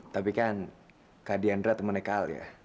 tapi kan kak diandra temannya kak al ya